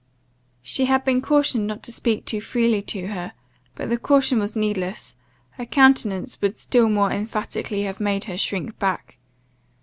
She had been cautioned not to speak too freely to her; but the caution was needless, her countenance would still more emphatically have made her shrink back.